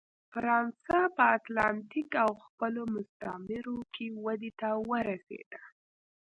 فرانسه په اتلانتیک او خپلو مستعمرو کې ودې ته ورسېده.